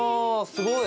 すごい。